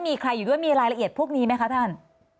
มีใครอยู่ด้วยมีรายละเอียดพวกนี้ไหมคะท่าน